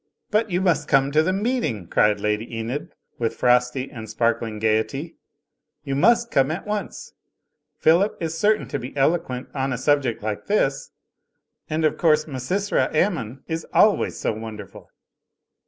"But you must come to the meeting!" cried Lady Enid, with frosty and sparkling gaity. "You must come at once! Philip is certain to be eloquent on a subject like this, and of course Misysra Ammon is always so wonderful."